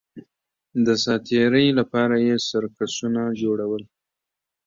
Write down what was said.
د ساتېرۍ لپاره یې سرکسونه جوړول